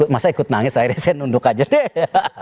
masa ikut nangis akhirnya saya nunduk aja deh